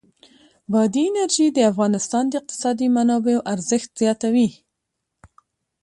بادي انرژي د افغانستان د اقتصادي منابعو ارزښت زیاتوي.